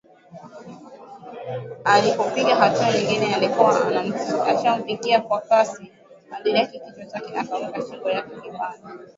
Alipopiga hatua nyingine alikuwa ashamfikia kwa kasi alidaka kichwa chake akaweka shingo yake kabali